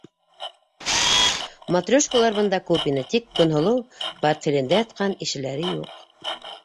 Матрешкалар бында күп ине, тик Көнһылыу портфелендә ятҡан ишеләре юҡ.